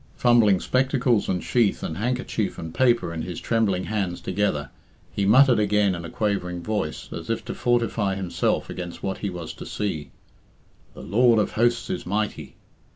Fumbling spectacles and sheath and handkerchief and paper in his trembling hands together, he muttered again in a quavering voice, as if to fortify himself against what he was to see, "The Lord of Hosts is mighty."